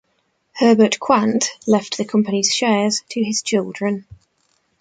Herbert Quandt left the company's shares to his children.